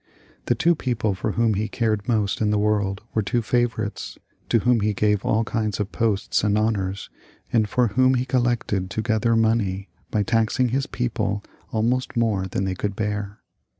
The two people for whom he cared most in the world were two favourites, to whom he gave all kinds of posts and honours, and for whom he col lected together mpney by taxing his people almost more than they could bear.